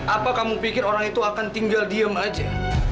apa kamu pikir orang itu akan tinggal diam saja